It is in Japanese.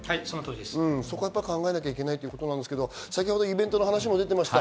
そこは考えな経験なきゃいけないってことですけど、イベントの話も出ていました。